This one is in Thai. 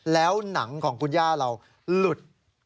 แล้วหนังของคุณย่าเราหลุด